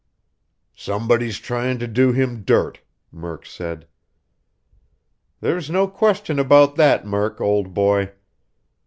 "Somebody's tryin' to do him dirt," Murk said. "There's no question about that, Murk, old boy.